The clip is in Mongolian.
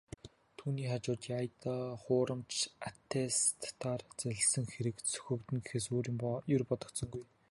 Түүний хажууд "яая даа, хуурамч аттестатаар залилсан хэрэг сөхөгдөнө" гэхээс өөр юм ер бодогдсонгүй.